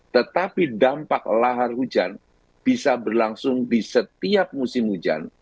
tetapi dampak lahar hujan bisa berlangsung di setiap musim hujan